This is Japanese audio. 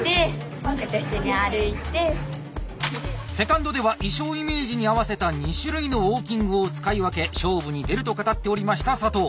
２ｎｄでは衣装イメージに合わせた２種類のウォーキングを使い分け勝負に出ると語っておりました佐藤。